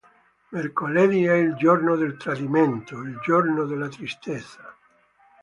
Mercoledì: è il giorno del tradimento, il giorno della tristezza.